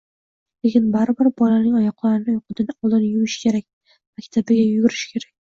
Lekin baribir… Bolaning oyoqlarini uyqudan oldin yuvish kerak, maktabiga yugurish kerak.